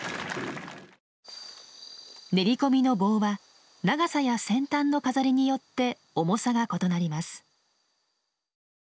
練り込みの棒は長さや先端の飾りによって重さが異なります。